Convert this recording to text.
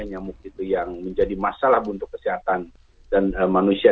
nyamuk itu yang menjadi masalah untuk kesehatan dan manusia